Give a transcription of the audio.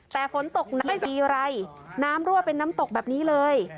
แต่ฝนตกหนักไม่มีอะไรน้ำรั่วเป็นน้ำตกแบบนี้เลย